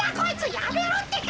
やめろってか！